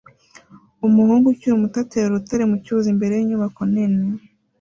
Umuhungu ukiri muto atera urutare mu cyuzi imbere yinyubako nini